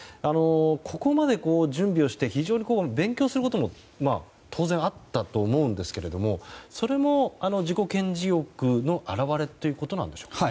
ここまで準備をして非常に勉強することも当然あったと思うんですがそれも自己顕示欲の表れということなんでしょうか。